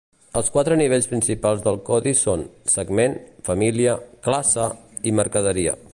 Els quatre nivells principals del codi són: Segment, Família, Classe i Mercaderia.